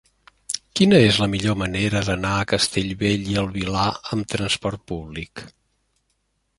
Quina és la millor manera d'anar a Castellbell i el Vilar amb trasport públic?